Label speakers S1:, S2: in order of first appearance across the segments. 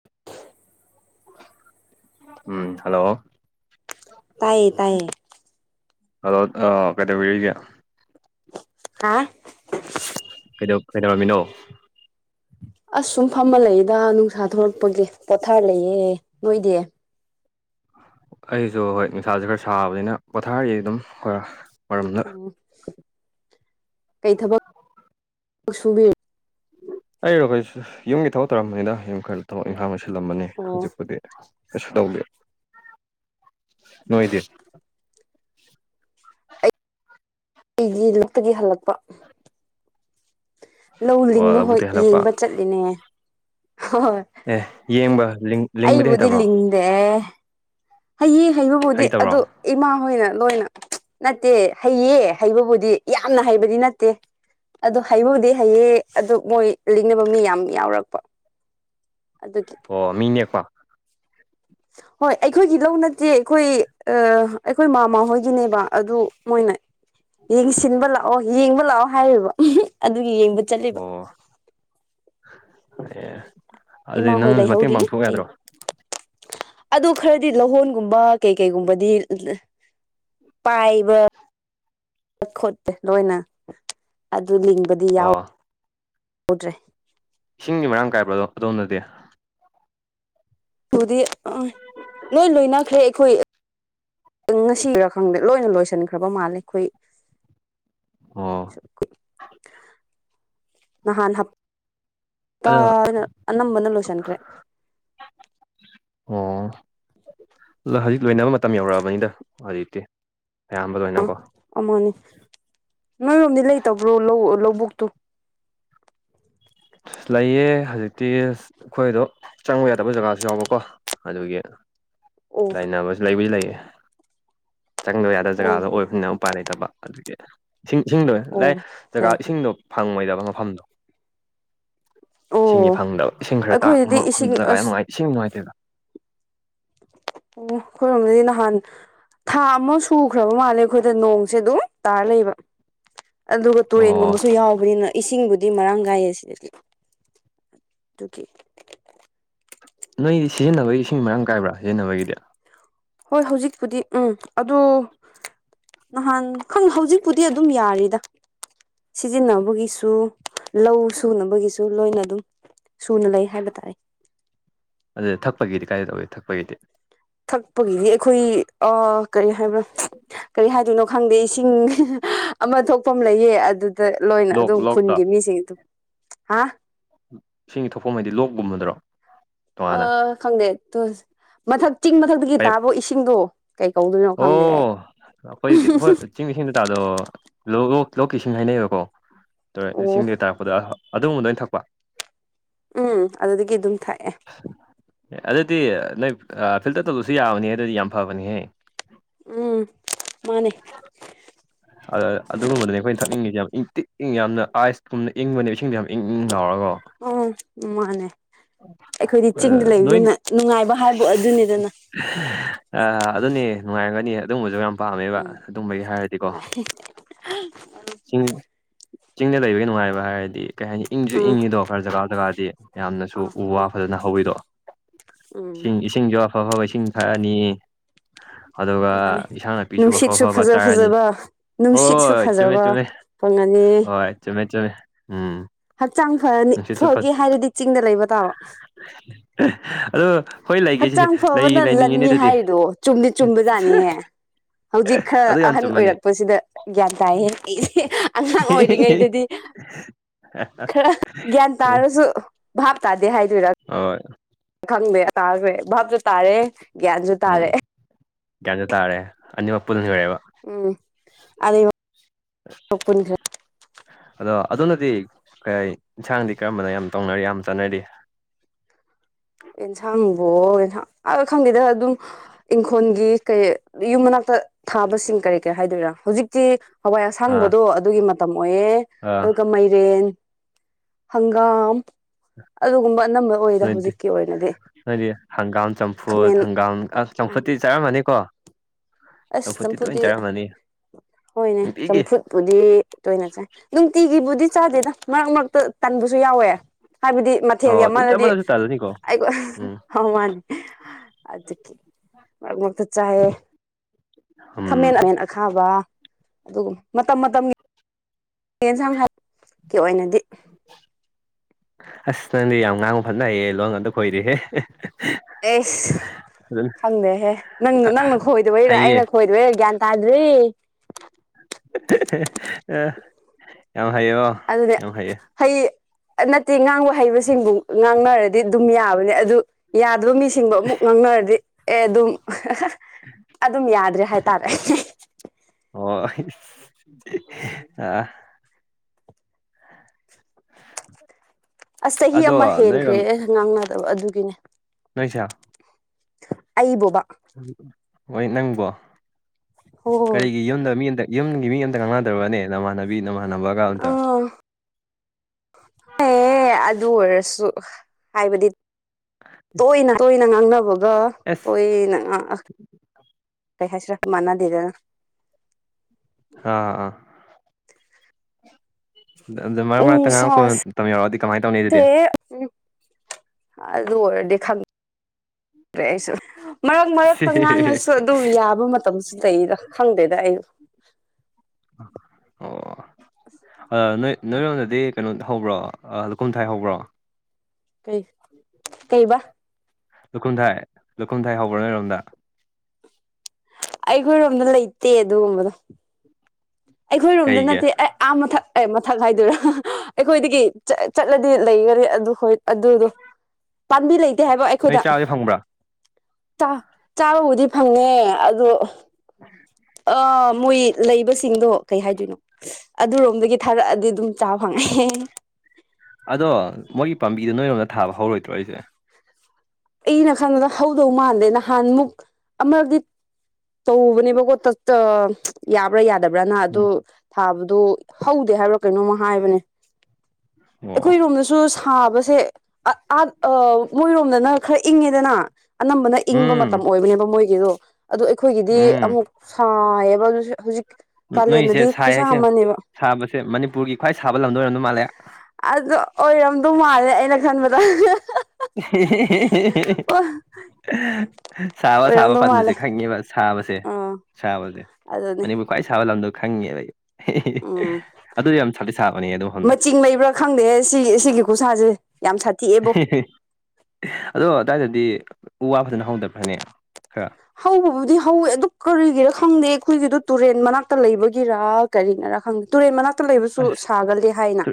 S1: [inaudible]
S2: [unintelligible] ꯎꯝ hello
S1: ꯇꯥꯏꯌꯦ ꯇꯥꯏꯌꯦ
S2: ꯑꯗꯣ ꯑ ꯀꯩꯗꯧ ꯕꯤꯔꯤꯒꯦ
S1: [unintelligible]
S2: ꯀꯩꯗꯧ ꯀꯩꯗꯧꯔꯝꯃꯤꯅꯣ
S1: ꯑꯁ ꯁꯨꯝ ꯐꯝꯃ ꯂꯩꯗ ꯅꯨꯡꯁꯥ ꯊꯣꯛꯂꯛꯄꯒꯤ ꯄꯣꯊꯥꯔ ꯂꯩꯌꯦ ꯅꯣꯏꯗꯤ
S2: ꯑꯩꯖꯨ ꯍꯣꯏ ꯅꯨꯡꯁꯥꯥꯁꯦ ꯈꯔ ꯁꯥꯕꯅꯤꯅ ꯄꯣꯊꯥꯔꯤꯌꯦ ꯑꯗꯨꯝ ꯈꯔ ꯃꯔꯨꯝꯗ
S1: [unintelligible] ꯀꯩ ꯊꯕꯛ [unintelligible]
S2: ꯑꯩꯔꯣ [unintelligible] ꯌꯨꯝꯒꯤ ꯊꯕꯛ ꯇꯧꯔꯝꯕꯅꯤꯗ ꯌꯨꯝ ꯈꯔ ꯊꯕꯛ ꯏꯪꯈꯥꯡ ꯂꯣꯏꯁꯤꯜꯂꯝꯕꯅꯤ
S1: ꯑꯣ
S2: ꯍꯧꯖꯤꯛꯄꯨꯗꯤ ꯀꯩꯁꯨ ꯇꯧꯗꯦ [unintelligible] ꯅꯣꯏꯗꯤ
S1: ꯑꯩꯒꯤ ꯂꯕꯨꯛꯇꯒꯤ ꯍꯜꯂꯛꯄ ꯂꯧ
S2: ꯑꯣ
S1: ꯂꯤꯡꯕ ꯍꯣꯏ
S2: ꯂꯧꯕꯨꯛꯇꯩ ꯍꯜꯂꯛꯄ
S1: ꯌꯦꯡꯕ ꯆꯠꯂꯤꯅꯦ ꯍꯣꯏ
S2: ꯑꯦ ꯌꯦꯡꯕ ꯂꯤꯡ ꯂꯤꯡꯕꯗꯤ ꯍꯩꯇꯕ꯭ꯔꯣ
S1: ꯑꯦ ꯍꯩꯌꯦ ꯍꯩꯕꯕꯨꯗꯤ
S2: ꯍꯩꯇꯕ꯭ꯔꯣ
S1: ꯑꯗꯨ ꯏꯃꯥ ꯍꯣꯏꯅ ꯂꯣꯏꯅ ꯅꯠꯇꯦ ꯍꯩꯌꯦ ꯍꯩꯕꯕꯨꯗꯤ ꯌꯥꯝꯅ ꯍꯩꯕꯗꯤ ꯅꯠꯇꯦ ꯑꯗꯨ ꯍꯩꯕꯕꯨꯗꯤ ꯍꯩꯌꯦ ꯑꯗꯨ ꯃꯣꯏ ꯂꯤꯡꯅꯕ ꯃꯤ ꯌꯥꯝ ꯌꯥꯎꯔꯛꯄ ꯑꯗꯨꯒꯤ
S2: ꯑꯣ ꯃꯤꯅꯦꯛꯄ
S1: ꯍꯣꯏ ꯑꯩꯈꯣꯏꯒꯤ ꯂꯧ ꯅꯠꯇꯦ ꯑꯩꯈꯣꯏ ꯑ ꯑꯩꯈꯣꯏ ꯃꯥꯝꯃꯍꯣꯏꯒꯤꯅꯦꯕ ꯑꯗꯨ ꯃꯣꯏꯅ ꯌꯦꯡꯁꯤꯟꯕ ꯂꯥꯛꯑꯣ ꯌꯦꯡꯕ ꯂꯥꯛꯑꯣ ꯍꯥꯏꯔꯤꯕ [unintelligible] ꯑꯗꯨꯒꯤ ꯌꯦꯡꯕ ꯆꯠꯂꯤꯕ
S2: ꯑꯣ ꯑꯦ ꯑꯗꯨꯗꯤ
S1: ꯏꯃꯥꯍꯣꯏ
S2: ꯅꯪꯖꯨ ꯃꯇꯦꯡ
S1: ꯂꯩꯍꯧꯔꯤ
S2: ꯄꯥꯡꯊꯣꯛꯎ ꯌꯥꯗ꯭ꯔꯣ
S1: [unintelligible] ꯑꯗꯨ ꯈꯔꯗꯤ ꯂꯧꯍꯣꯟꯒꯨꯝꯕ ꯀꯩ ꯀꯩꯒꯨꯝꯕꯗꯤ ꯄꯥꯏꯕ [inaudible] ꯈꯣꯠꯇꯦ ꯂꯣꯏꯅ ꯑꯗꯨ ꯂꯤꯡꯕꯗꯤ ꯌꯥꯎ
S2: ꯑꯣ
S1: [inaudible] ꯎꯗ꯭ꯔꯦ
S2: ꯏꯁꯤꯡꯗꯤ ꯃꯔꯥꯡ ꯀꯥꯏꯕ꯭ꯔꯣ [unintelligible] ꯑꯗꯣꯝꯗꯗꯤ
S1: ꯑꯗꯨꯗꯤ ꯑ ꯂꯣꯏ ꯂꯣꯏꯅꯈ꯭ꯔꯦ ꯑꯩꯈꯣꯏ ꯉꯁꯤ ꯔꯥ ꯈꯪꯗꯦ ꯂꯣꯏꯅ ꯂꯣꯏꯁꯤꯟꯈ꯭ꯔꯕ ꯃꯥꯜꯂꯦ ꯑꯩꯈꯣꯏ [inaudible]
S2: ꯑꯣ [inaudible]
S1: ꯅꯍꯥꯟ
S2: ꯑꯗꯣ
S1: ꯍꯞꯇꯥꯅ ꯑꯅꯝꯕꯅ ꯂꯣꯏꯁꯤꯟꯈ꯭ꯔꯦ
S2: [unintelligible] ꯎꯝ ꯑꯗꯣ ꯍꯧꯖꯤꯛ ꯂꯣꯏꯅꯕ ꯃꯇꯝ ꯌꯧꯔꯛꯑꯕꯅꯤꯗ ꯍꯧꯖꯤꯛꯇꯤ ꯑꯌꯥꯝꯕ ꯂꯣꯏꯅꯀꯣ
S1: ꯑꯃꯅꯤ ꯅꯣꯏꯔꯣꯝꯗꯤ ꯂꯩꯇꯕ꯭ꯔꯣ ꯂꯧ ꯂꯧꯕꯨꯛꯇꯨ
S2: ꯂꯩꯌꯦ ꯍꯧꯖꯤꯛꯇꯤ ꯑꯁ ꯑꯩꯈꯣꯏꯗꯣ ꯆꯪꯕ ꯌꯥꯗꯕ ꯖꯒꯥꯖꯨ ꯌꯥꯎꯕꯀꯣ ꯑꯗꯨꯒꯤ
S1: ꯑꯣ
S2: ꯇꯥꯏꯅꯕꯖꯦ ꯂꯩꯕꯨꯗꯤ ꯂꯩꯌꯦ ꯆꯪꯗꯕ ꯌꯥꯗꯕ ꯖꯒꯥꯗꯣ
S1: ꯑꯣ
S2: ꯑꯣꯏꯕꯅꯤꯅ ꯎꯄꯥꯏ ꯂꯩꯇꯕ ꯑꯗꯨꯒꯤ ꯏꯁꯤꯡ ꯏꯁꯤꯡꯗꯣ
S1: ꯑꯣ
S2: ꯂꯥꯏꯛ ꯖꯒꯥ
S1: ꯐꯩ ꯐꯩ
S2: ꯏꯁꯤꯡꯗꯣ ꯐꯪꯉꯣꯏꯗꯕ ꯃꯐꯝꯗꯣ
S1: ꯑꯣ
S2: ꯏꯁꯤꯡꯒꯤ ꯐꯪꯗꯕ ꯏꯁꯤꯡ ꯈꯔ ꯇꯥꯛ ꯑꯃ
S1: ꯑꯩꯈꯣꯏꯗꯗꯤ ꯏꯁꯤꯡ
S2: ꯃꯐꯝꯗ ꯖꯒꯥ ꯌꯥꯝ
S1: ꯑꯁ
S2: ꯅꯨꯡꯉꯥꯏ ꯏꯁꯤꯡ ꯅꯨꯡꯉꯥꯏꯇꯦꯗ
S1: ꯑꯣ ꯑꯩꯈꯣꯏꯔꯣꯝꯗꯗꯤ ꯅꯍꯥꯟ ꯊꯥ ꯑꯃ ꯁꯨꯈ꯭ꯔꯕ ꯃꯥꯜꯂꯦ ꯑꯩꯈꯣꯏꯗ ꯅꯣꯡꯁꯦ ꯑꯗꯨꯝ ꯇꯥꯔ ꯂꯩꯕ ꯑꯗꯨꯒ
S2: ꯑꯣ
S1: ꯇꯨꯔꯦꯟꯒꯨꯝꯕꯁꯨ ꯌꯥꯎꯕꯅꯤꯅ ꯏꯁꯤꯡꯕꯨꯗꯤ ꯃꯔꯥꯡ ꯀꯥꯏꯌꯦ ꯁꯤꯗꯗꯤ ꯑꯗꯨꯒꯤ
S2: ꯅꯣꯏꯗꯤ ꯁꯤꯖꯤꯟꯅꯕꯒꯤ ꯏꯁꯤꯡ ꯃꯔꯥꯡ ꯀꯥꯏꯕ꯭ꯔꯥ ꯁꯤꯖꯤꯟꯅꯕꯒꯤꯗꯤ
S1: ꯍꯣꯏ ꯍꯧꯖꯤꯛꯄꯨꯗꯤ ꯎꯝ ꯑꯗꯨ ꯉꯍꯥꯟ ꯈꯪ ꯍꯧꯖꯤꯛꯄꯨꯗꯤ ꯑꯗꯨꯝ ꯌꯥꯔꯤꯗ ꯁꯤꯖꯤꯟꯅꯕꯒꯤꯁꯨ ꯂꯧ ꯁꯨꯅꯕꯒꯤꯁꯨ ꯂꯣꯏꯅ ꯑꯗꯨꯝ ꯁꯨꯅ ꯂꯩ ꯍꯥꯏꯕ ꯇꯥꯔꯦ
S2: ꯑꯗꯨꯗ ꯊꯛꯄꯒꯤꯗꯤ ꯀꯥꯏꯗ ꯇꯧꯋꯤ ꯊꯛꯄꯒꯤꯗꯤ
S1: ꯊꯛꯄꯒꯤꯗꯤ ꯑꯩꯈꯣꯏ ꯑ ꯀꯔꯤ ꯍꯥꯏꯕ꯭ꯔꯥ ꯀꯔꯤ ꯍꯥꯏꯗꯣꯏꯅꯣ ꯈꯪꯗꯦ ꯏꯁꯤꯡ ꯑꯃ ꯊꯣꯛꯐꯝ ꯑꯃ ꯂꯩꯌꯦ ꯑꯗꯨ ꯂꯣꯏꯅ
S2: ꯂꯣꯛ
S1: ꯑꯗꯨꯝ
S2: ꯂꯣꯛꯇ
S1: ꯈꯨꯟꯒꯤ ꯃꯤꯁꯤꯡꯗꯨ ꯍꯥ
S2: ꯏꯁꯤꯡꯒꯤ ꯊꯣꯛꯐꯝ ꯍꯥꯏꯗꯤ ꯂꯣꯛꯀꯨꯝꯕꯗ꯭ꯔꯣ
S1: ꯑ ꯈꯪꯗꯦ ꯇ ꯃꯊꯛ ꯆꯤꯡ ꯃꯊꯛꯇꯒꯤ
S2: ꯄꯥꯏꯞ
S1: ꯇꯥꯕꯣ ꯏꯁꯤꯡꯗꯣ ꯀꯩ ꯀꯧꯗꯣꯏꯅꯣ ꯈꯪꯗꯦ ꯑꯩ
S2: ꯑꯣ ꯑꯩꯈꯣꯏꯗꯤ ꯍꯣꯏ ꯆꯤꯡ ꯏꯁꯤꯡꯗꯣ ꯇꯥꯗꯣꯑꯣ ꯂꯣꯀꯦꯁꯟ ꯍꯥꯏꯅꯩꯌꯦꯕꯀꯣ ꯇ
S1: ꯑꯣ
S2: ꯆꯤꯡꯗ ꯇꯥꯣ ꯑꯗꯨꯒꯨꯝꯕꯗ ꯑꯩꯅ ꯊꯄ
S1: ꯎꯝ ꯑꯗꯨꯗꯒꯤ ꯑꯗꯨꯝ ꯊꯛꯑꯦ
S2: ꯑꯦ ꯑꯗꯨꯗꯤ ꯅꯣꯏ ꯐꯤꯜꯇꯔ ꯇꯧꯕꯁꯨ ꯌꯥꯕꯅꯤ ꯑꯗꯨꯗꯤ ꯌꯥꯝ ꯐꯕꯅꯤꯍꯦ
S1: ꯎꯝ ꯃꯥꯅꯦ
S2: ꯑ ꯑꯗꯨꯒꯨꯝꯕꯗꯨꯅꯦ ꯑꯩꯈꯣꯏꯅ ꯊꯛꯅꯤꯡꯉꯤꯁꯦ ꯌꯥꯝ ꯏꯪ ꯇꯤꯛ ꯏꯪ ꯌꯥꯝꯅ ꯑꯥꯏꯁꯀꯨꯝꯅ ꯏꯪꯕꯅꯦ ꯏꯁꯤꯡꯗꯣ ꯌꯥꯝ ꯏꯪ ꯏꯪ ꯂꯥꯎꯔꯒꯣ
S1: ꯎ ꯃꯥꯅꯦ ꯑꯩꯈꯣꯏꯗꯤ
S2: ꯑ
S1: ꯆꯤꯡꯗ
S2: ꯅꯣꯏ
S1: ꯂꯩꯕꯅꯤꯅ ꯅꯨꯡꯉꯥꯏꯕ ꯍꯥꯏꯕ ꯑꯗꯨꯅꯤꯗꯅ
S2: ꯑꯗꯨꯅꯦ ꯅꯨꯡꯉꯥꯏꯔꯝꯒꯅꯤ ꯑꯗꯨꯝꯕꯁꯨ ꯌꯥꯝ ꯄꯥꯝꯃꯦꯕ
S1: ꯎꯝ
S2: ꯑꯗꯨꯝꯕꯒꯤ ꯍꯥꯏꯔꯗꯤ
S1: [inaudible]
S2: ꯆꯤꯡ ꯆꯤꯡꯗ ꯂꯩꯕꯒꯤ ꯅꯨꯡꯉꯥꯏꯕ ꯍꯥꯏꯔꯗꯤ ꯀꯩ ꯍꯥꯏꯅꯤ ꯏꯪꯁꯨ
S1: ꯎꯝ
S2: ꯏꯪꯉꯤꯗꯣ ꯈꯔ ꯖꯒꯥ ꯖꯒꯥꯗꯤ ꯌꯥꯝꯅꯁꯨ
S1: ꯑ
S2: ꯎ ꯋꯥ ꯐꯖꯅ ꯍꯧꯋꯤꯗꯣ
S1: ꯎꯝ
S2: ꯏꯁꯤꯡ ꯏꯁꯤꯡꯁꯨ ꯑꯐ ꯑꯐꯕ ꯏꯁꯤꯡ ꯐꯛꯑꯅꯤ
S1: ꯃꯥꯅꯦ
S2: ꯅꯥꯄꯤꯁꯨ ꯑꯐ
S1: ꯅꯨꯡꯁꯤꯠꯁꯨ
S2: ꯑꯐꯕ
S1: ꯐꯖ
S2: ꯆꯥꯔꯅꯤ
S1: ꯐꯖꯕ ꯅꯨꯡꯁꯤꯠꯁꯨ
S2: ꯍꯣꯏ ꯆꯨꯝꯃꯦ
S1: ꯐꯖꯕ
S2: ꯆꯨꯝꯃꯦ
S1: ꯐꯪꯉꯅꯤ
S2: ꯍꯣꯏ ꯆꯃꯦ ꯆꯃꯦ ꯎꯝ
S1: ꯍꯛꯆꯥꯡ ꯐꯅꯤ
S2: ꯅꯨꯡꯁꯤꯠꯁꯨ
S1: ꯐꯒꯦ ꯍꯥꯏꯔꯗꯤ ꯆꯤꯡꯗ ꯂꯩꯕ ꯇꯥꯕ
S2: ꯑꯗꯨꯣ
S1: ꯍꯛꯆꯥꯡ ꯐꯕꯅ ꯂꯟꯅꯤ ꯍꯥꯏꯔꯤꯗꯣ ꯆꯨꯝꯗꯤ ꯆꯨꯝꯕꯖꯥꯠꯅꯤꯍꯦ ꯍꯧꯖꯤꯛ ꯈꯔ
S2: ꯑꯗꯨ ꯌꯥꯝ
S1: ꯑꯍꯟ
S2: ꯆꯨꯝꯕꯅꯦ
S1: ꯑꯣꯏꯔꯛꯄꯁꯤꯗ ꯒ꯭ꯌꯥꯟ ꯇꯥꯏ ꯍꯦꯛꯛꯏꯁꯦ ꯑꯉꯥꯡ ꯑꯣꯏꯔꯤꯉꯩꯗꯗꯤ ꯈꯔ ꯒ꯭ꯌꯥꯟ ꯇꯥꯔꯁꯨ ꯚꯥꯞ ꯇꯥꯗꯦ ꯍꯥꯏꯗꯣꯏꯔ
S2: ꯍꯣꯣꯏ
S1: ꯈꯪꯗꯦ ꯇꯥꯈ꯭ꯔꯦ ꯚꯥꯞꯁꯨ ꯇꯥꯔꯦ ꯒ꯭ꯌꯥꯟꯁꯨ
S2: ꯎꯝ
S1: ꯇꯥꯔꯦ
S2: ꯆꯪꯗ ꯇꯥꯔꯦ ꯑꯅꯤꯃꯛ ꯄꯨꯗꯅ ꯀꯦꯕ
S1: ꯎꯝ ꯑꯗꯩ ꯄꯨꯟꯈ꯭ꯔꯦ
S2: ꯑꯗꯣ ꯑꯗꯨꯅꯗꯤ ꯏꯟꯁꯥꯡꯗꯤ ꯀꯔꯝꯕꯅ ꯌꯥꯝ ꯇꯧꯅꯔꯤ ꯌꯥꯝ ꯆꯥꯟꯅꯔꯤ
S1: ꯌꯦꯟꯁꯥꯡꯕꯣ ꯑꯦꯟꯁꯥꯡ ꯑ ꯈꯪꯗꯦꯗ ꯑꯗꯨꯝ ꯏꯪꯈꯣꯜꯒꯤ ꯀꯩ ꯌꯨꯝ ꯃꯅꯥꯛꯇ ꯊꯥꯕꯁꯤꯡ ꯀꯔꯤ ꯀꯔꯤ ꯍꯥꯏꯗꯣꯏꯔꯥ ꯍꯧꯖꯤꯛꯇꯤ ꯍꯋꯥꯏ
S2: ꯑꯥ
S1: ꯑꯁꯥꯡꯕꯗꯣ ꯑꯗꯨꯒꯤ ꯃꯇꯝ ꯑꯣꯏꯑꯦ
S2: ꯑꯥ
S1: ꯑꯗꯨꯒ ꯃꯥꯏꯔꯦꯟ ꯍꯪꯒꯥꯝ ꯑꯗꯨꯒꯨꯝꯕ ꯑꯅꯝꯕ ꯑꯣꯏꯗ ꯍꯧꯖꯤꯛ
S2: ꯍꯥꯏꯗꯤ ꯍꯪꯒꯥꯝ
S1: ꯈꯥꯃꯦꯟ
S2: ꯆꯝꯐꯨꯠ ꯍꯪꯒꯥꯝ
S1: ꯑ
S2: ꯆꯝꯐꯨꯠꯇꯤ ꯆꯥꯔꯝꯃꯅꯤꯀꯣ
S1: ꯑꯁ
S2: ꯆꯝꯐꯨꯠꯇꯤ ꯇꯣꯏꯅ
S1: ꯆꯝꯐꯨꯗꯤꯤ
S2: ꯆꯥꯔꯝꯃꯅꯤ
S1: ꯍꯣꯏꯅꯦ
S2: ꯅꯨꯡꯇꯤꯒꯤ
S1: ꯆꯝꯐꯨꯠ ꯕꯨꯗꯤ ꯇꯣꯏꯅ ꯆꯥꯏ ꯅꯨꯡꯇꯤꯒꯤꯕꯨꯗꯤ ꯆꯥꯗꯦꯗ ꯃꯔꯛ ꯃꯔꯛꯇ ꯇꯟꯕꯁꯨ ꯌꯥꯎꯋꯦ ꯍꯥꯏꯕꯗꯤ
S2: ꯑꯣ
S1: ꯃꯊꯦꯜꯒꯤ
S2: ꯑꯗꯨꯝ
S1: ꯑꯃꯅꯗꯤ
S2: ꯆꯥꯃꯜꯂꯁꯨ ꯇꯥꯜꯂꯅꯤꯀꯣ
S1: ꯑꯩ
S2: ꯎꯝ
S1: ꯃꯥꯅꯤ ꯑꯗꯀꯤ ꯃꯔ ꯃꯛꯇ ꯆꯥꯍꯦ
S2: ꯎꯝ
S1: ꯈꯥꯃꯦꯟ ꯑꯃꯦꯟ ꯑꯈꯥꯕ ꯑꯗꯨꯒꯨꯝ ꯃꯇꯝ ꯃꯇꯝꯒꯤ ꯌꯦꯟꯁꯥꯡ ꯍꯥꯏ ꯑꯣꯏꯅꯗꯤ
S2: ꯑꯁ ꯅꯪꯗꯤ ꯌꯥꯝ ꯉꯥꯡꯕ ꯐꯠꯅ ꯍꯌꯦꯦ ꯂꯣꯟ ꯉꯇ ꯈꯣꯏꯔꯤꯍꯦ
S1: ꯑꯦꯁ ꯈꯪꯗꯦꯍꯦ ꯅꯪꯅ ꯅꯪꯅ ꯈꯣꯏꯗꯕꯩꯔ
S2: ꯍꯩꯌꯦ
S1: ꯑꯩꯅ ꯍꯣꯏꯔꯣꯏꯦ ꯒ꯭ꯌꯥꯟ ꯇ ꯍꯥꯏꯗ꯭ꯔꯤ
S2: ꯑ ꯌꯥꯝ ꯍꯥꯏꯌꯣ
S1: ꯑꯗꯨꯗ ꯍꯩ ꯅꯠꯇꯦ ꯉꯥꯡꯕ ꯍꯩꯕꯁꯤꯡꯕꯨ ꯉꯥꯡꯅꯔꯗꯤ ꯑꯗꯨꯝ ꯌꯥꯕꯅꯦ ꯑꯗꯨ ꯌꯥꯗꯕ ꯃꯤꯁꯤꯡꯗꯣ ꯑꯃꯨꯛ ꯉꯥꯡꯅꯔꯗꯤ ꯑꯦ ꯑꯗꯨꯝ ꯑꯗꯨꯝ ꯌꯥꯗ꯭ꯔꯦ ꯍꯥꯏꯇꯥꯔꯦ
S2: ꯑꯣ ꯑꯥ
S1: ꯑꯁ ꯆꯍꯤ
S2: ꯑꯗꯣ
S1: ꯑꯃ ꯍꯦꯟꯈ꯭ꯔꯦ
S2: ꯅꯣꯏꯔꯣꯝ
S1: ꯑꯦ ꯉꯥꯡꯅꯗꯕ ꯑꯗꯨꯒꯤꯅꯦ
S2: ꯂꯩꯏꯁ
S1: ꯑꯩꯕꯨꯕꯥ
S2: ꯍꯣꯏ ꯅꯪꯕꯣ
S1: ꯍꯣꯏ
S2: ꯀꯔꯤꯒꯤ ꯌꯨꯝꯗ ꯃꯤ ꯍꯟꯗꯛ ꯌꯨꯝꯒꯤ ꯃꯤ ꯑꯃꯝꯇ ꯀꯪꯅꯗ꯭ꯔꯕꯅꯦ ꯅꯃꯥꯟꯅꯕꯤ ꯅꯃꯥꯟꯅꯕꯒ ꯑꯝꯇ
S1: ꯑꯥ ꯑꯦ ꯑꯗꯨ ꯑꯣꯏꯔꯁꯨ ꯍꯥꯏꯕꯗꯤ ꯇꯣꯏꯅ ꯇꯣꯏꯅ ꯅ ꯉꯥꯡꯅꯕꯒ
S2: ꯑꯦꯁ
S1: ꯇꫭꯛꯏ ꯅ ꯀꯩ ꯍꯥꯏꯁꯤꯔꯥ ꯃꯥꯟꯅꯗꯦꯗꯅ
S2: ꯑꯥ ꯑꯥ ꯑ ꯃꯔꯛ ꯃꯔꯛꯇ ꯉꯥꯡꯉꯛꯄ
S1: ꯅꯨꯡꯁꯥꯁꯦ
S2: ꯃꯇꯝ ꯑꯣꯔꯗꯤ ꯀꯃꯥꯏꯅ ꯇꯧꯅꯤ ꯑꯗꯨꯗꯤ
S1: ꯎꯝ ꯑꯗꯨ ꯑꯣꯏꯔꯗꯤ ꯈꯪ꯭ꯔꯦ ꯑꯩꯁꯨ ꯃꯔꯛ
S2: ꯁꯤ
S1: ꯃꯔꯛꯇ ꯉꯥꯡꯉꯁꯨ ꯑꯗꯨ ꯌꯥꯕ ꯃꯇꯝꯁꯨ ꯂꯩꯔ ꯈꯪꯗꯦꯗ ꯑꯩ
S2: ꯑꯣ ꯑꯗꯨ ꯅꯣꯏ ꯅꯣꯏꯔꯣꯟꯗꯗꯤ ꯀꯩꯅꯣ ꯍꯧꯕ꯭ꯔꯣ ꯂ ꯀꯨꯝꯊꯥꯏ ꯍꯧꯕ꯭ꯔꯣ
S1: ꯀꯩ ꯀꯩꯕ
S2: ꯂꯨꯈꯨꯝꯊꯥꯏ ꯂꯈꯨꯝꯊꯥꯏ ꯍꯧꯕ꯭ꯔꯥ ꯅꯣꯏꯔꯣꯝꯗ
S1: ꯑꯩꯈꯣꯏꯔꯣꯝꯗ ꯂꯩꯇꯦ ꯑꯗꯨꯒꯨꯝꯕꯗꯣ ꯑꯩꯈꯣꯏ ꯔꯣꯝꯗ
S2: ꯀꯩꯒꯤ
S1: ꯅꯠꯇꯦ ꯑꯥ ꯃꯊꯛ ꯑꯦ ꯃꯊꯛ ꯍꯥꯏꯗꯣꯏꯔꯥ ꯑꯩꯈꯣꯏꯗꯒꯤ ꯆꯠꯂꯗꯤ ꯂꯩꯒꯅꯤ ꯑꯗꯨ ꯍꯣꯏ ꯑꯗꯨꯗꯣ ꯄꯥꯟꯝꯕꯤ ꯂꯩꯇꯦ ꯍꯥꯏꯕ
S2: ꯅꯣꯏ
S1: ꯑꯩꯈꯣꯏꯗ
S2: ꯆꯥꯕꯗꯤ ꯐꯪꯕ꯭ꯔꯥ
S1: ꯆꯥꯕꯕꯨꯗꯤ ꯐꯪꯉ ꯑꯗꯣ ꯑ ꯃꯣꯏ ꯂꯩꯕꯁꯤꯡꯗꯣ ꯀꯩ ꯍꯥꯏꯗꯣꯏꯅꯣ ꯑꯗꯨꯔꯣꯝꯗꯒꯤ ꯊꯥꯔꯛꯑꯗꯤ ꯑꯗꯨꯝ ꯆꯥ ꯐꯪꯉꯛꯑꯦ
S2: ꯑꯗꯣ ꯃꯣꯏꯒꯤ ꯄꯥꯝꯕꯤꯗꯨꯣ ꯅꯣꯏꯔꯣꯝꯗ ꯊꯥꯕ ꯍꯧꯔꯣꯏꯗ꯭ꯔꯣ ꯍꯥꯏꯁꯦ
S1: ꯑꯩꯅ ꯈꯟꯕꯗ ꯍꯧꯗꯧ ꯃꯥꯟꯗꯦ ꯅꯍꯥꯟꯃꯨꯛ ꯑꯃꯒꯤ ꯇꯕꯅꯤꯕꯒꯣ ꯇꯠ ꯌꯥꯕ꯭ꯔꯥ ꯌꯥꯗꯕ꯭ꯔꯅ ꯑꯗꯨ
S2: ꯎꯝ
S1: ꯊꯥꯕꯗꯨꯣ ꯍꯧꯗꯦ ꯍꯥꯏꯕ꯭ꯔꯥ ꯀꯩꯅꯣꯝꯃ ꯍꯥꯏꯕꯅꯦ
S2: ꯑꯣ
S1: ꯑꯩꯈꯣꯏꯔꯣꯝꯗꯁꯨ ꯁꯥꯕꯁꯦ ꯃꯣꯏꯔꯣꯝꯗꯅ ꯈꯔ ꯏꯪꯉꯦꯗꯅ ꯑꯅꯝꯕꯅ ꯏꯪꯕ
S2: ꯎꯝ
S1: ꯃꯇꯝ ꯑꯣꯏꯕꯅꯦꯕ ꯃꯣꯏꯒꯤꯗꯣ ꯑꯗꯣ ꯑꯩꯈꯣꯏꯒꯤꯗꯤ
S2: ꯎꯝ
S1: ꯑꯃꯨꯛ ꯁꯥꯏꯌꯦꯕ ꯑꯗꯨ ꯍꯧꯖꯤꯛ
S2: ꯎꯝ ꯅꯣꯏꯁꯦ
S1: ꯀꯥꯂꯦꯟꯗꯗꯤ
S2: ꯁꯥꯏ
S1: ꯈꯨꯠꯁꯥ
S2: ꯍꯥꯏꯁꯦ
S1: ꯑꯃꯅꯦꯕ
S2: ꯁꯥꯕꯁꯦ ꯃꯅꯤꯄꯨꯔꯒꯤ ꯈ꯭ꯋꯥꯏ ꯁꯥꯕ ꯂꯝꯗꯣꯏ ꯑꯗꯨ ꯃꯥꯜꯂꯦ
S1: ꯑ ꯑꯣꯏꯔꯝꯗꯧ ꯃꯥꯜꯂꯦ ꯑꯩꯅ ꯈꯟꯕꯗ
S2: [unintelligible] ꯁꯥꯕ ꯁꯥꯕ
S1: ꯑꯣꯏꯔꯝꯗꯧ
S2: ꯄꯟꯗꯨꯁꯦ
S1: ꯃꯥꯜꯂꯦ
S2: ꯈꯪꯉꯦꯕ ꯁꯥꯕꯁꯦ
S1: ꯑꯥ
S2: ꯁꯥꯕꯁꯦ
S1: ꯑꯗꯨꯅꯦ
S2: ꯃꯅꯤꯄꯨꯔ ꯈ꯭ꯋꯥꯏ ꯁꯥꯕ ꯂꯝꯗꯣ ꯈꯪꯉꯦꯕ ꯑꯩ
S1: ꯎꯝ
S2: ꯑꯗꯨꯗ ꯌꯥꯝ ꯁꯇꯤ ꯁꯥꯕꯅꯦ ꯑꯗꯨ ꯃꯐꯝꯗꯣ
S1: ꯃꯆꯤꯡ ꯂꯩꯕ꯭ꯔꯥ ꯈꯪꯗꯦ ꯁꯤ ꯁꯤꯒꯤ ꯈꯨꯁꯥꯁꯦ ꯌꯥꯝ ꯁꯠ
S2: ꯑꯗꯣ ꯑꯗꯨꯗꯥꯋꯥꯏꯗꯗꯤ ꯎ ꯋꯥ ꯐꯖꯅ ꯍꯧꯗꯕ꯭ꯔꯅꯦ ꯈꯔ
S1: ꯍꯧꯕꯕꯨꯗꯤ ꯍꯧꯋꯦ ꯑꯗꯨ ꯀꯔꯤꯒꯤꯔꯥ ꯈꯪꯗꯦ ꯑꯩꯈꯣꯏꯒꯤꯗ ꯇꯨꯔꯦꯟ ꯃꯅꯥꯛꯇ ꯂꯩꯕꯒꯤꯔ ꯀꯔꯤꯅꯔꯥ ꯈꯪꯗꯦ ꯇꯨꯔꯦꯟ ꯃꯅꯥꯛꯇ ꯂꯩꯕꯁꯨ
S2: ꯑꯁ
S1: ꯁꯥꯒꯜꯂꯤ ꯍꯥꯏꯅ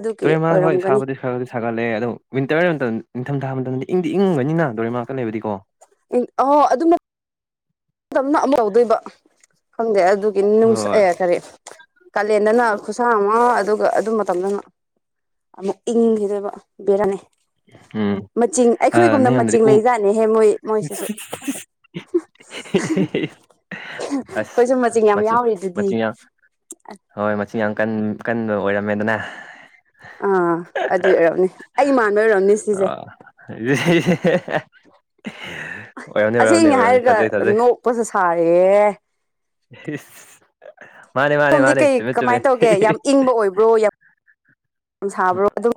S1: ꯑꯗꯨꯒꯤ ꯑꯣꯏꯔꯝꯒꯅꯤ
S2: ꯁꯥꯒꯠꯂꯛꯑꯦ ꯑꯗꯣꯋꯤꯟꯇꯔ ꯍꯥꯏꯕ ꯃꯇꯝꯗ ꯅꯤꯡꯊꯝꯊꯥ ꯃꯇꯝꯗꯗꯤ ꯏꯪꯗꯤ ꯏꯪꯒꯅꯤꯅ ꯇꯨꯔꯦꯟ ꯃꯅꯥꯛꯇ ꯂꯩꯕꯗꯤꯀꯣ
S1: ꯑ ꯑꯗꯨꯝ ꯗꯝꯅ ꯑꯃꯍꯧꯗꯣꯏꯕ ꯈꯪꯗꯦ ꯑꯗꯨꯒꯤ ꯅꯨꯡꯁ
S2: ꯍꯣꯏ
S1: ꯑꯦ ꯀꯔꯤ ꯀꯥꯂꯦꯟꯗꯅ ꯈꯨꯠꯁꯥ ꯑꯃ ꯑꯗꯨꯒ ꯑꯗꯨ ꯃꯇꯝꯗꯅ ꯑꯃꯨꯛ ꯏꯪꯈꯤꯗꯣꯏꯕ ꯕꯦꯔꯅꯤ
S2: ꯎꯝ
S1: ꯃꯆꯤꯡ
S2: ꯑ
S1: ꯑꯩꯈꯣꯏꯒꯨꯝꯅ ꯃꯆꯤ
S2: ꯅꯣꯏꯔꯣꯝꯗꯗꯤ ꯎ
S1: ꯂꯩꯖꯥꯠꯅꯦꯍꯦ ꯃꯣꯏ ꯃꯣꯏꯁꯤꯁꯨ
S2: ꯑꯁ
S1: ꯑꯩꯈꯣꯏꯁꯨ ꯃꯆꯤꯡ ꯌꯥꯝ
S2: ꯃꯆꯤ
S1: ꯌꯥꯎꯔꯤꯗꯨꯗꯤ
S2: ꯃꯆꯤ ꯌꯥ ꯍꯣꯏ ꯃꯁꯤꯡ ꯌꯥꯝ ꯀ ꯀꯟꯕ ꯑꯣꯏꯔꯝꯃꯦꯗꯅ
S1: ꯑꯥ ꯑꯗꯨꯏ ꯑꯣꯏꯔꯝꯅꯤ ꯑꯩ ꯃꯥꯟꯕ ꯑꯣꯏꯔꯝꯅꯤ ꯁꯤꯁꯦ
S2: [unintelligible] ꯑꯣꯏꯔꯝꯅꯤ
S1: ꯑꯁꯦꯡꯅꯦ
S2: ꯑꯣꯏꯔꯝꯅꯤ
S1: ꯍꯥꯏꯔꯒ
S2: ꯊꯥꯖꯩ ꯊꯥꯖꯩ
S1: ꯅꯣꯛꯄꯁꯨ ꯁꯥꯔꯦ
S2: ꯃꯥꯅꯦ ꯃꯥꯅꯦ
S1: ꯁꯣꯝꯗꯤ
S2: ꯃꯥꯅꯦ
S1: ꯀꯩ
S2: ꯆꯨꯝꯃꯦ ꯆꯨꯝꯃꯦ
S1: ꯀꯃꯥꯏꯅ ꯇꯧꯒꯦ ꯌꯥꯝ ꯏꯪꯕ ꯑꯣꯏꯕ꯭ꯔꯣ ꯌꯥꯝ
S2: ꯎꯝ
S1: ꯁꯥꯕ꯭ꯔꯣ ꯑꯗꯨꯝ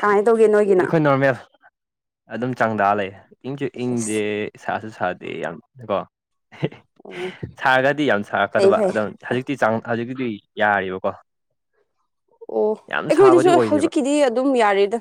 S1: ꯀꯃꯥꯏꯅ ꯇꯧꯒꯦ ꯅꯣꯏꯒꯤꯅ
S2: ꯅꯣꯔꯃꯦꯦꯜ ꯑꯗꯨꯝ ꯆꯥꯡꯗꯥ ꯂꯩ ꯏꯪꯁꯨ ꯏꯪꯗꯦ
S1: ꯑꯁ
S2: ꯁꯥꯁꯨ ꯁꯥꯗꯦ ꯌꯥꯝ ꯀꯣ
S1: ꯑꯣ
S2: ꯁꯥꯔꯒꯗꯤ ꯌꯥꯝ
S1: ꯐꯩ
S2: ꯁꯥꯔꯛꯀꯗꯕ
S1: ꯐꯩ
S2: ꯑꯗꯨ ꯍꯧꯖꯤꯛꯇꯤꯥꯡ ꯍꯧꯖꯤꯛꯇꯤꯗꯤ ꯌꯥꯔꯤꯕꯀꯣ
S1: ꯑꯣ
S2: ꯌꯥꯝ ꯁꯥꯕꯗꯤ
S1: ꯑꯩꯈꯣꯏꯗꯁꯨ
S2: ꯑꯣꯏꯗꯦꯕ
S1: ꯍꯧꯖꯤꯛꯀꯤꯗꯤ ꯑꯗꯨꯝ ꯌꯥꯔꯦꯗ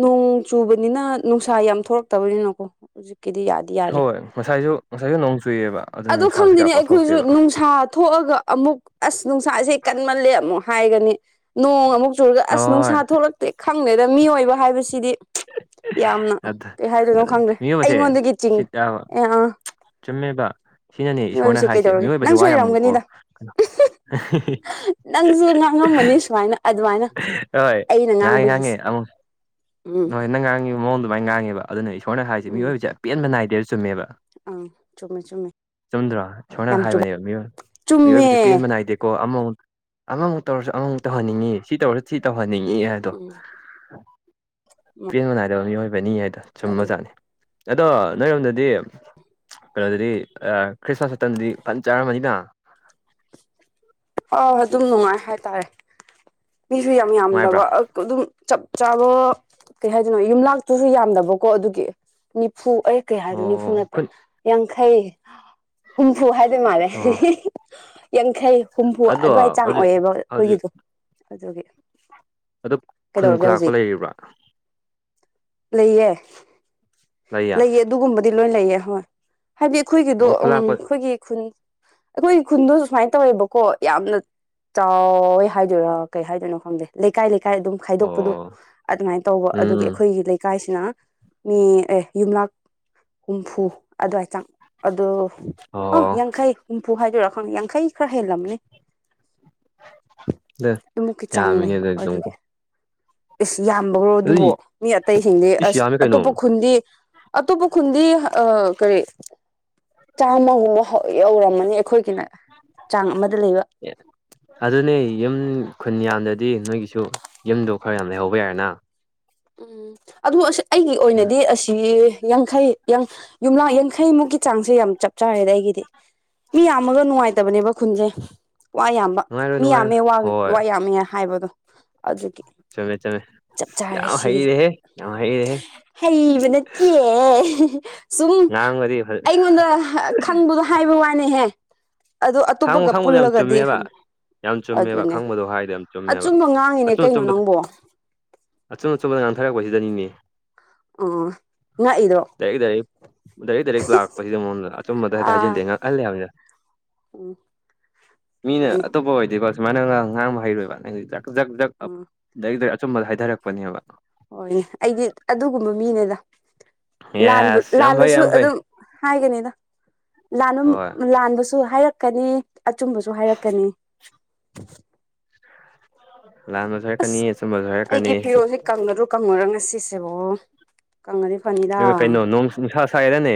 S1: ꯅꯣꯡ ꯆꯨꯕꯅꯤꯅ ꯅꯨꯡꯁꯥ ꯌꯥꯝ ꯊꯣꯛꯣꯔꯛꯇꯕꯅꯤꯅꯀꯣ ꯍꯧꯖꯤꯛꯀꯤꯗꯤ ꯌꯥꯗꯦ
S2: ꯍꯣꯏ ꯉꯁꯥꯏꯁꯨ ꯉꯁꯥꯏꯁꯨ ꯅꯣꯡ ꯆꯨꯏꯑꯕ ꯑꯗꯨꯅ
S1: ꯑꯗꯣ
S2: ꯅꯨꯡꯁꯥꯁꯨ
S1: ꯈꯪꯗꯦꯅꯦ
S2: ꯀꯌꯥ
S1: ꯑꯩꯈꯣꯏꯁꯨ
S2: ꯄꯥꯛꯊꯣꯛꯇꯦꯕ
S1: ꯅꯨꯡꯁꯥ ꯊꯣꯛꯑꯒ ꯑꯃꯨꯛ ꯑꯁ ꯅꯨꯡꯁꯥꯁꯦ ꯀꯟꯃꯜꯂꯦ ꯑꯃꯨꯛ ꯍꯥꯏꯒꯅꯤ ꯅꯣꯡ ꯑꯃꯨꯛ ꯆꯨꯔꯒ ꯑꯁ
S2: ꯍꯣꯏ
S1: ꯅꯨꯡꯁꯥ ꯊꯣꯛꯂꯛꯇꯦ ꯈꯪꯗꯦꯗ ꯃꯤꯏꯕ ꯍꯥꯏꯕꯁꯤꯗꯤ ꯌꯥꯝꯅ
S2: ꯑꯗꯨ
S1: ꯀꯩ ꯍꯥꯏꯗꯣꯏꯅꯣ
S2: ꯑꯗꯨ
S1: ꯈꯪꯗ꯭ꯔꯦ
S2: ꯃꯤꯑꯣꯏꯕꯁꯦ
S1: ꯑꯩꯉꯣꯟꯗꯒꯤ
S2: ꯁꯤ
S1: ꯆꯤꯡꯅꯤ ꯑ
S2: ꯆꯨꯝꯃꯦꯕ ꯁꯤꯅꯅꯦ ꯏꯁꯣꯔꯅ ꯍꯥꯏꯁꯦ
S1: ꯀꯩꯗꯧꯔꯒꯦ
S2: ꯃꯤꯑꯣꯏꯕꯕꯁꯤꯦ ꯋꯥ
S1: ꯅꯪꯁꯨ
S2: ꯌꯥꯝꯃꯨꯀꯣ
S1: ꯑꯣꯏꯔꯝꯒꯅꯤꯗ
S2: ꯀꯩꯅꯣ
S1: ꯅꯪꯁꯨ ꯉꯥꯡꯉꯝꯃꯅꯤ ꯁꯨꯃꯥꯏꯅ ꯑꯗꯨꯃꯥꯏꯅ
S2: ꯍꯣꯏ
S1: ꯑꯩꯅ
S2: ꯉꯥꯡꯉꯦ
S1: ꯉꯥꯡꯕꯒꯤꯁꯦ
S2: ꯉꯥꯡꯉꯦ ꯑꯃꯨꯛ
S1: ꯎꯝ
S2: ꯅꯣꯏ ꯅꯪ ꯉꯥꯡꯉꯤꯕ ꯃꯑꯣꯡ ꯑꯗꯨꯃꯅ ꯉꯥꯡꯉꯦꯕ ꯑꯗꯨꯅ ꯏꯁꯣꯔꯅ ꯍꯥꯏꯁꯦ ꯃꯤꯑꯣꯏꯕꯁꯦ ꯑꯄꯦꯟꯕ ꯅꯥꯏꯗꯦꯔ ꯆꯨꯝꯃꯦꯕ
S1: ꯑꯥ ꯆꯨꯝꯃꯦ ꯆꯨꯝꯃꯦ
S2: ꯆꯨꯝꯗ꯭ꯔꯥ ꯁꯝꯅ
S1: ꯌꯥꯝ ꯆꯨꯝꯃꯦ
S2: ꯍꯥꯏꯕꯅꯦꯕꯏ ꯃꯤꯑꯣꯏꯕꯕꯁꯤꯦ
S1: ꯆꯨꯝꯃꯦ
S2: ꯄꯦꯟꯍꯦꯟꯕ ꯅꯥꯏꯗꯦꯀꯣ ꯑꯃꯃ ꯑꯃꯃꯨꯛ ꯇꯧꯔꯁꯨ ꯑꯃꯃꯨꯛ ꯇꯧꯍꯟꯅꯤꯡꯉꯤ ꯁꯤ ꯇꯧꯔꯁꯨ ꯁꯤ ꯇꯧꯍꯟꯅꯤꯡꯉꯦ ꯍꯥꯏꯗꯣ
S1: ꯎꯝ
S2: ꯄꯦꯟꯕ ꯅꯥꯏꯗꯕ ꯃꯤꯑꯣꯏꯕꯅꯤ ꯍꯥꯏꯗꯣ ꯁꯨꯝ
S1: ꯑꯗꯨꯗꯤ
S2: ꯃꯆꯥꯥꯅꯤ ꯑꯗꯣ ꯅꯣꯏꯔꯣꯝꯗꯗꯤ ꯀꯩꯅꯣꯗꯨꯗꯤ ꯈ꯭ꯔꯤꯁꯃꯥꯁ ꯃꯇꯝꯗꯨꯗꯤ ꯐꯟ ꯆꯥꯔꯝꯃꯅꯤꯅ
S1: ꯑ ꯑꯗꯨꯝ ꯅꯨꯡꯉꯥꯏ ꯍꯥꯏꯇꯥꯔꯦ ꯃꯤꯁꯨ ꯌꯥꯝ
S2: ꯅꯨꯡꯉꯥꯏꯕ꯭ꯔꯥ
S1: ꯌꯥꯝꯗꯕ ꯑꯗꯨꯝ ꯆꯞ ꯆꯥꯕ ꯀꯩ ꯍꯥꯏꯗꯣꯏꯅꯣ ꯌꯨꯝꯂꯥꯛꯇꯨꯁꯨ ꯌꯥꯝꯗꯕꯀꯣ ꯑꯗꯨꯒꯤ ꯅꯤꯐꯨ ꯑꯣꯏ ꯀꯩꯌꯥ ꯍꯥꯏꯗꯨ ꯅꯤꯐꯨ
S2: ꯑꯣ
S1: ꯅꯠꯇꯦ
S2: ꯈꯨꯟ
S1: ꯌꯥꯡꯈꯩ ꯍꯨꯝꯐꯨ ꯍꯥꯏꯗꯣꯏ ꯃꯥꯜꯂꯦ
S2: ꯑꯣ
S1: ꯌꯥꯡꯈꯩ ꯍꯨꯝꯐꯨ
S2: ꯑꯗꯣ
S1: ꯑꯗꯨꯋꯥꯏ ꯆꯥꯡ
S2: ꯍꯧꯖꯤꯛ
S1: ꯑꯣꯏꯌꯦꯦꯕ
S2: ꯍꯧꯖꯤꯛ
S1: ꯑꯩꯈꯣꯏꯒꯤꯗꯣ ꯑꯗꯨꯒꯤ
S2: ꯑꯗꯨ ꯈꯨꯟ
S1: ꯀꯩꯗꯧꯔꯒꯦ
S2: ꯈꯨꯂꯥꯛꯄ
S1: ꯍꯧꯖꯤꯛ
S2: ꯂꯩꯔꯤꯕ꯭ꯔꯥ
S1: ꯂꯩꯌꯦ ꯂꯩꯌꯦ ꯑꯗꯨꯒꯨꯝꯕꯗꯤ ꯂꯣꯏ ꯂꯩꯌꯦ ꯍꯣꯏ ꯍꯥꯏꯗꯤ ꯑꯩꯈꯣꯏꯒꯤꯗꯣ
S2: ꯑꯣ
S1: ꯎꯝ
S2: ꯈꯨꯂꯥꯛꯄ
S1: ꯑꯩꯈꯣꯏꯒꯤ ꯈꯨꯟ ꯑꯩꯈꯣꯏꯒꯤ ꯈꯨꯟꯗꯣ ꯁꯨꯃꯥꯏꯅ ꯇꯧꯋꯦꯕꯀꯣ ꯌꯥꯝꯅ ꯆꯥꯎꯏ ꯍꯥꯏꯗꯣꯏꯔꯥ ꯀꯩ ꯍꯥꯏꯗꯣꯏꯅꯣ ꯈꯪꯗꯦ ꯂꯩꯀꯥꯏ ꯂꯩꯀꯥꯏ ꯑꯗꯨꯝ ꯈꯥꯏꯗꯣꯛꯄꯗꯣ
S2: ꯑꯣ
S1: ꯑꯗꯨꯃꯥꯏꯅ ꯇꯧꯕ ꯑꯗꯨꯒꯤ
S2: ꯎꯝ
S1: ꯑꯩꯈꯣꯏꯒꯤ ꯂꯩꯀꯥꯏꯁꯤꯅ ꯃꯤ ꯑꯦ ꯌꯨꯝꯂꯛ ꯍꯨꯝꯐꯨ ꯑꯗꯨꯋꯥꯏ ꯆꯥꯡ ꯑꯗꯣ ꯑꯣ ꯌꯥꯡꯈꯩ ꯍꯨꯝꯐꯨ ꯍꯥꯏꯗꯣꯏꯔꯥ ꯈꯪꯅꯤ ꯌꯥꯡꯈꯩ ꯈꯔ ꯍꯦꯜꯂꯝꯕꯅꯤ
S2: ꯑꯗꯨ
S1: ꯑꯃꯨꯛꯀꯤ ꯆꯥꯡ
S2: ꯌꯥꯝꯃꯤꯅꯦ
S1: ꯂꯩꯕ
S2: ꯑꯗꯨ
S1: ꯑꯗꯨꯒꯤ
S2: ꯑꯗꯨꯝꯀꯣ
S1: ꯏꯁꯁ ꯌꯥꯝꯕꯈ꯭ꯔꯣ ꯑꯗꯨꯕꯨ
S2: ꯑꯗꯨꯗꯤ
S1: ꯃꯤ ꯑꯇꯩꯁꯤꯡꯗꯤ
S2: ꯏꯁ
S1: ꯑꯁ
S2: ꯌꯥꯝꯃꯦ ꯀꯩꯅꯣ
S1: ꯑꯇꯣꯞꯄ ꯈꯨꯟꯗꯤ ꯑꯇꯣꯞꯄ ꯈꯨꯟꯗꯤ ꯀꯔꯤ ꯆꯥꯝꯃꯒꯨꯝꯕ ꯌꯧꯔꯝꯃꯅꯤ ꯑꯩꯈꯣꯏꯒꯤꯅ ꯆꯥꯡ ꯑꯃꯗ ꯂꯩꯕ
S2: ꯑꯗꯨꯅꯦ ꯌꯨꯝ ꯈꯨꯟ ꯌꯥꯝꯗꯗꯤ ꯅꯣꯏꯒꯤꯁꯨ ꯌꯨꯝꯗꯣ ꯈꯔ ꯌꯥꯝ ꯂꯩꯍꯧꯕ ꯌꯥꯔꯦꯅ
S1: ꯎꯝ ꯑꯗꯨ ꯑ ꯑꯩꯒꯤ
S2: ꯎꯝ
S1: ꯑꯣꯏꯅꯗꯤ ꯑꯁꯤ ꯌꯥꯡꯈꯩ ꯌꯨꯝꯂꯛ ꯌꯥꯡꯈꯩꯃꯨꯛꯀꯤ ꯆꯥꯡꯁꯦ ꯌꯥꯝ ꯆꯞ ꯆꯥꯔꯦꯗꯤ ꯑꯩꯒꯤꯗꯤ ꯃꯤ ꯌꯥꯝꯃꯒ ꯅꯨꯡꯉꯥꯏꯇꯕꯅꯦꯕ ꯈꯨꯟꯁꯦ ꯋꯥ ꯌꯥꯝ
S2: ꯅꯨꯡꯉꯥꯏꯔꯣꯏ
S1: ꯃꯤ
S2: ꯅꯨꯡꯉꯥꯏꯔꯣꯏ
S1: ꯌꯥꯝꯃꯦ
S2: ꯍꯣꯏ
S1: ꯋꯥ ꯌꯥꯝꯃꯦ ꯍꯥꯏꯕꯗꯣ ꯑꯗꯨꯒꯤ
S2: ꯆꯨꯝꯃꯦ ꯆꯨꯝꯃꯦ
S1: ꯆꯞ ꯆꯥꯔꯦ
S2: ꯌꯥꯝ
S1: ꯁꯤꯒꯤꯁꯦ
S2: ꯍꯩꯔꯦꯍꯦ ꯌꯥꯝ ꯍꯩꯔꯦꯍꯦ
S1: ꯑꯦ ꯁꯨꯝ
S2: ꯉꯥꯡꯕꯗꯤ
S1: ꯑꯩꯉꯣꯟꯗ ꯈꯪꯕꯗꯣ ꯍꯥꯏꯕ ꯋꯥꯅꯤꯍꯦ ꯑꯗꯨꯗꯣ
S2: ꯈꯥꯡꯕ
S1: ꯑꯇꯣꯞꯄꯒ
S2: ꯈꯥꯡꯕꯗꯣ ꯌꯥꯝ
S1: ꯄꯨꯜꯂꯒꯗꯤ
S2: ꯆꯨꯝꯃꯦꯕ ꯌꯥꯝ ꯆꯨꯝꯃꯦꯕ
S1: ꯑꯗꯨꯅꯦ
S2: ꯈꯪꯕꯗꯣ ꯍꯥꯏꯗꯣ ꯌꯥꯝ ꯆꯨꯝꯃꯦꯕ
S1: ꯑꯆꯨꯝꯕ ꯉꯥꯡꯉꯤꯅꯦ
S2: ꯑꯆꯨꯝ
S1: ꯀꯩꯅꯣ
S2: ꯑꯆꯨꯝꯕꯗ
S1: ꯅꯪꯕ
S2: ꯑꯆꯨꯝ ꯑꯆꯨꯝꯕꯗꯥ ꯉꯥꯡꯊꯔꯛꯄꯁꯤꯗꯅꯤꯅꯦ
S1: ꯑꯣ ꯉꯥꯛꯏꯔꯣ
S2: ꯗꯥꯏꯔꯦꯛ ꯗꯥꯏꯔꯦꯛ ꯗꯥꯏꯔꯦꯛ ꯗꯥꯏꯔꯦꯛ ꯂꯥꯛꯄꯁꯤꯗꯥ ꯃꯉꯣꯟꯗꯥ ꯑꯆꯨꯝꯕꯗꯥ ꯍꯦꯛꯇꯥ
S1: ꯑꯥ
S2: ꯍꯥꯏꯖꯂꯦꯅ ꯉꯥꯛꯍꯜꯂꯦ ꯍꯥꯏꯕꯅꯤꯗꯥ
S1: ꯎꯝ
S2: ꯃꯤꯅ
S1: ꯃꯥꯅꯤ
S2: ꯑꯇꯣꯞꯄ ꯑꯣꯏꯗꯤꯀꯣ ꯁꯨꯃꯥꯏꯅ ꯉꯥꯡ ꯉꯥꯡꯕ ꯍꯩꯔꯣꯏꯕ ꯍꯥꯏꯗꯤ ꯖꯛ ꯖꯛ ꯖꯛ
S1: ꯎꯝ
S2: ꯗꯥꯏꯔꯛ ꯗꯥꯏꯔꯛ ꯑꯆꯨꯝꯕꯗꯥ ꯍꯥꯏꯊꯔꯛꯄꯅꯦꯕ
S1: ꯍꯣꯏꯅꯦ ꯑꯩꯗꯤ ꯑꯗꯨꯒꯨꯝꯕꯥ ꯃꯤꯅꯦꯗꯥ ꯂꯥꯟ
S2: ꯌꯦꯁ ꯌꯥꯝ ꯐꯩ
S1: ꯂꯥꯜꯂꯁꯨ
S2: ꯌꯥꯝ ꯐꯩ
S1: ꯑꯗꯨꯝ ꯍꯥꯏꯒꯅꯤꯗꯥ ꯂꯥꯟ
S2: ꯍꯣꯏ
S1: ꯂꯥꯟꯕꯁꯨ ꯍꯥꯏꯔꯛꯀꯅꯤ ꯑꯆꯨꯝꯕꯁꯨ ꯍꯥꯏꯔꯛꯀꯥꯅꯤ
S2: ꯂꯥꯟꯕꯁꯨ ꯍꯥꯏꯔꯛꯀꯥꯅꯤ ꯑꯆꯨꯝꯕꯁꯨ ꯍꯥꯏꯔꯛꯀꯥꯅꯤ
S1: ꯀꯪꯂꯪꯉꯔꯨ ꯀꯪꯉꯨꯔ ꯉꯁꯤꯁꯦꯕꯣ ꯀꯪꯉꯥꯗꯤ ꯐꯅꯤ
S2: ꯍꯩꯃꯥ ꯀꯩꯅꯣ ꯅꯣꯡ ꯅꯨꯡꯁꯥ ꯁꯥꯏ ꯍꯥꯏꯅꯦ